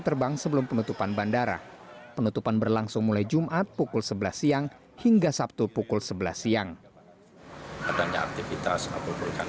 kembali ditutup sejak jumat pagi akibat tebaran abu vulkanis erupsi gunung bromo yang dinilai membahayakan aktivitas penerbangan